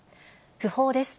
訃報です。